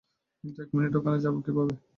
কিন্তু এক মিনিট, ওখানে যাবো কীভাবে?